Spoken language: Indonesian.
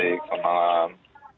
baik selamat malam